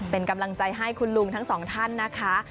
เป็นกำลังใจให้คุณลุงทั้งสองท่านนะคะ